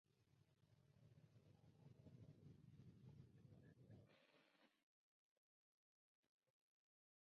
His thesis was entitled "Cognitive effects of long term imprisonment".